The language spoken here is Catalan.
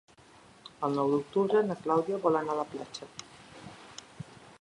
El nou d'octubre na Clàudia vol anar a la platja.